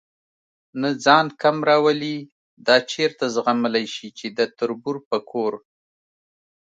نه ځان کم راولي، دا چېرته زغملی شي چې د تربور په کور.